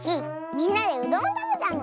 みんなでうどんをたべたの！